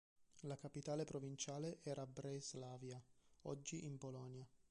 La capitale provinciale era Breslavia, oggi in Polonia.